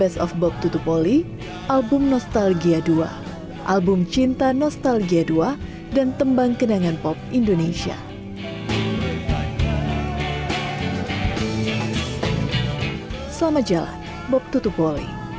selamat jalan bob tutupoli